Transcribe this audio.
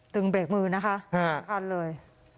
ตึงเบรกมือนะคะทันเลย